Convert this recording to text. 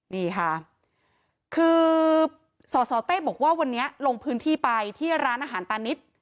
นี่ค่ะคือสสเต้บอกว่าวันนี้ลงพื้นที่ไปที่ร้านอาหารตานิด